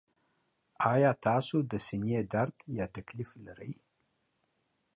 ایا تاسو د سینې درد یا تکلیف لرئ؟